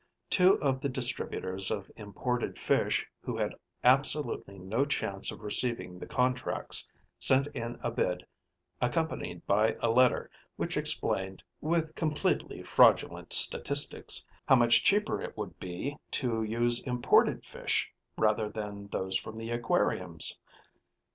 Two of the distributors of imported fish who had absolutely no chance of receiving the contracts sent in a bid accompanied by a letter which explained (with completely fraudulent statistics) how much cheaper it would be to use imported fish rather than those from the aquariums.